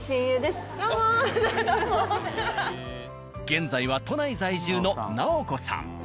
現在は都内在住の直子さん。